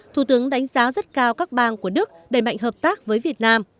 thủ tướng đánh giá rất cao các bang của đức đầy mạnh hợp tác với việt nam